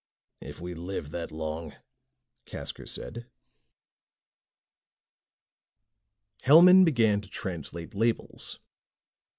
"If we live that long," Casker said. Hellman began to translate labels.